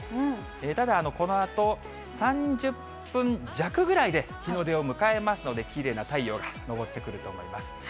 ただこのあと、３０分弱ぐらいで日の出を迎えますので、きれいな太陽が昇ってくると思います。